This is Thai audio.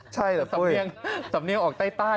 ใช่หรือสำเนียงออกใต้นะ